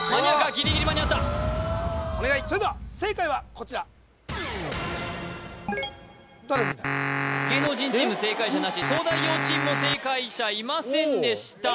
ギリギリ間に合ったそれでは正解はこちら芸能人チーム正解者なし東大王チームも正解者いませんでした